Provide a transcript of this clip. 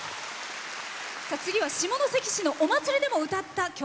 次は下関市のお祭りでも歌った曲。